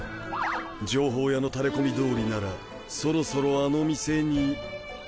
情報屋のタレ込みどおりならそろそろあの店に。